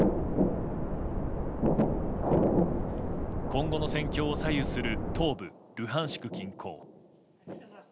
今後の戦況を左右する東部ルハンシク近郊。